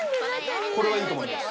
これはいいと思います